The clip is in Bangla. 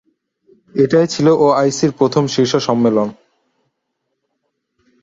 এটিই ছিল ওআইসির প্রথম শীর্ষ সম্মেলন।